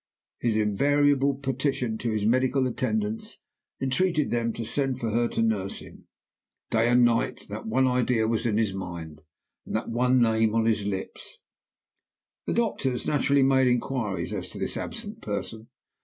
His invariable petition to his medical attendants entreated them to send for her to nurse him. Day and night that one idea was in his mind, and that one name on his lips. "The doctors naturally made inquiries as to this absent person.